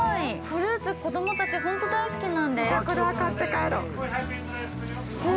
フルーツ、子供たち、本当大好きなんです。